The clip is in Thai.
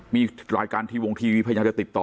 มีรายการทีวงทีวีพยายามจะติดต่อ